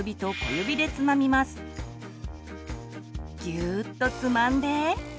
ギューッとつまんで。